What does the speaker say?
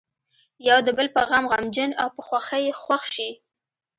یو د بل په غم غمجن او په خوښۍ یې خوښ شي.